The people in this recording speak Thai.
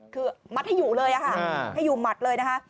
คือมัดให้อยู่เลยค่ะให้อยู่หมัดเลยนะคะ